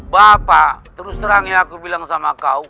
bapak terus terang ya aku bilang sama kau